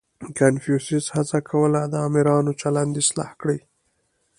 • کنفوسیوس هڅه کوله، د آمرانو چلند اصلاح کړي.